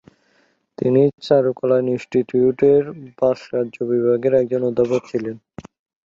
তিনি চারুকলা ইনস্টিটিউটের ভাস্কর্য বিভাগের একজন অধ্যাপক ছিলেন।